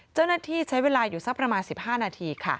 เจ้าหน้าที่ใช้เวลาอยู่สักประมาณ๑๕นาที